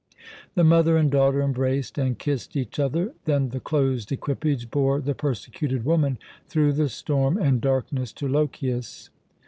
The mother and daughter embraced and kissed each other, then the closed equipage bore the persecuted woman through the storm and darkness to Lochias.